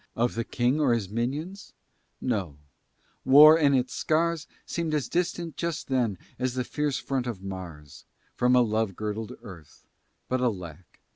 Of the King or his minions? No; war and its scars Seemed as distant just then as the fierce front of Mars From a love girdled earth; but, alack!